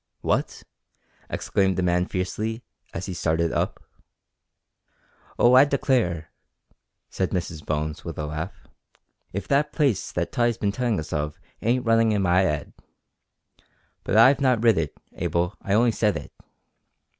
"What!" exclaimed the man fiercely, as he started up. "Oh, I declare!" said Mrs Bones, with a laugh, "if that place that Tottie's been tellin' us of ain't runnin' in my 'ead. But I've not writ it, Abel, I only said it."